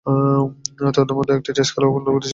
তন্মধ্যে, একটি টেস্ট খেলাও অন্তর্ভুক্ত ছিল।